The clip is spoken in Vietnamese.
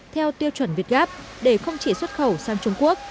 theo tiêu chuẩn việt gáp để không chỉ xuất khẩu sang trung quốc